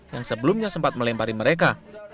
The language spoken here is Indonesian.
yang sebelumnya sempat melempari mereka